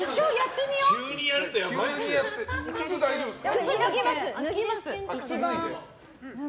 急に大丈夫ですか。